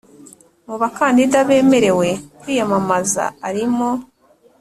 Mu bakandida bemerewe kwiyamamaza arimo